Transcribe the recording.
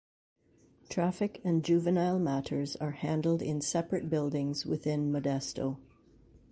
Traffic and Juvenile matters are handled in separate buildings within Modesto.